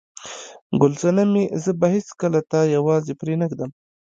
ګل صنمې، زه به هیڅکله تا یوازې پرېنږدم.